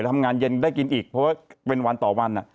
ทำงานเย็นได้กินอีกเพราะว่าเป็นวันต่อวัน